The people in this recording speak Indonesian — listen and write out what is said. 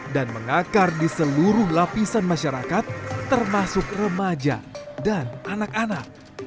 dan mengakar di seluruh lapisan masyarakat termasuk remaja dan anak anak